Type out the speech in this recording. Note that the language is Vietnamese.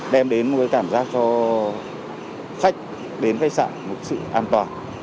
đem đến cảm giác cho khách đến khách sạn một sự an toàn